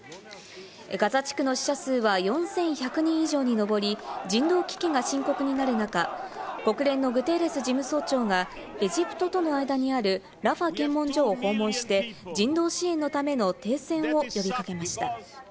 ガザ地区の死者数は４１００人以上にのぼり、人道危機が深刻になる中、国連のグテーレス事務総長がエジプトとの間にあるラファ検問所を訪問して人道支援のための停戦を呼び掛けました。